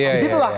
di situ lah